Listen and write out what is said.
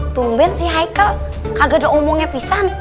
tumben si haikel kagak ada omongnya pisah nih